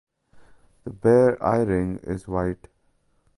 The bare eye-ring is white.